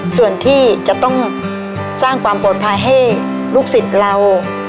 ส่วนที่จะต้องสร้างความปลอดภัยให้ลูกศิษย์เรา